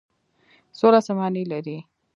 سوله څه معنی لري؟